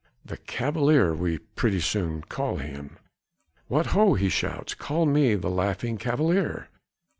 "The Cavalier" we pretty soon call him. "What ho!" he shouts, "call me the Laughing Cavalier!"